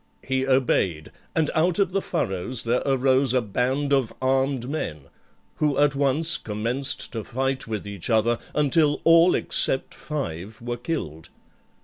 He obeyed; and out of the furrows there arose a band of armed men, who at once commenced to fight with each other, until all except five were killed.